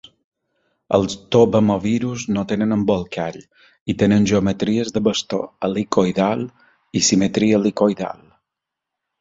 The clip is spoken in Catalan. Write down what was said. Els tobamovirus no tenen embolcall i tenen geometries de bastó helicoïdal i simetria helicoïdal.